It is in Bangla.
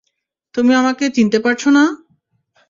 তুমি আমাকে চিনতে পারছ না?